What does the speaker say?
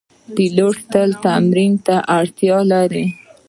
پیلوټ تل تمرین ته اړتیا لري.